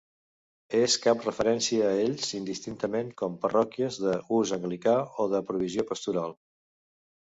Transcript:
Es cap referència a ells indistintament com parròquies de "ús anglicà" o de "provisió pastoral".